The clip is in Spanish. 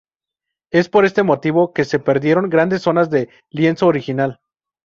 Es por este motivo que se perdieron grandes zonas del lienzo original.